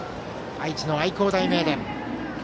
愛知の愛工大名電。